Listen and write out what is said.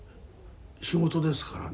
仕事ですからね